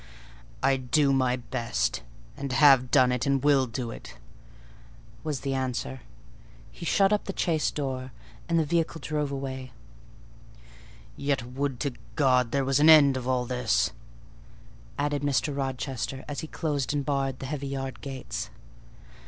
"I do my best; and have done it, and will do it," was the answer: he shut up the chaise door, and the vehicle drove away. "Yet would to God there was an end of all this!" added Mr. Rochester, as he closed and barred the heavy yard gates.